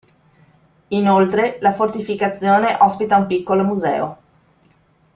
Inoltre, la fortificazione ospita un piccolo museo.